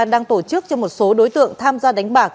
đang tổ chức cho một số đối tượng tham gia đánh bạc